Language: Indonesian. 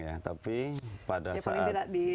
ya tapi pada saat